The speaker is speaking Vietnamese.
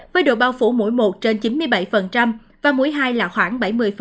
với độ bao phủ mỗi một trên chín mươi bảy và mũi hai là khoảng bảy mươi